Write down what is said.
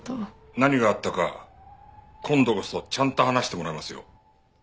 何があったか今度こそちゃんと話してもらいますよ。